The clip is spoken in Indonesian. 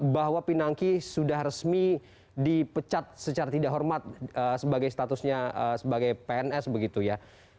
bahwa pinangki sudah resmi dipecat secara tidak hormat sebagai statusnya sebagai pns begitu ya